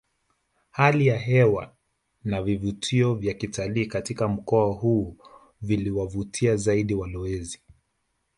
Hali ya hewa na vivutio vya kitalii katika mkoa huu viliwavutia zaidi walowezi